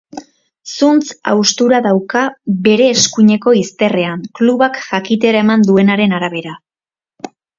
Zuntz haustura dauka bere eskuineko izterrean, klubak jakitera eman duenaren arabera.